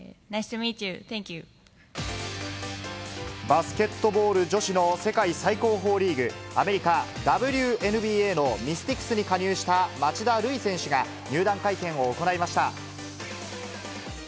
バスケットボール女子の世界最高峰リーグ、アメリカＷＮＢＡのミスティクスに加入した町田瑠唯選手が、入団会見を行いました。